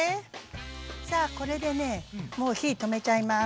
さあこれでねもう火止めちゃいます。